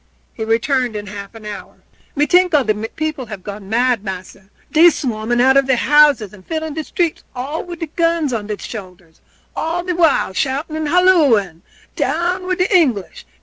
He returned in half an hour. "Me tink all de people gone mad, massa. Dey swarming out of deir houses and filling de streets, all wid guns on deir shoulders, all de while shouting and halloing 'Down wid de English!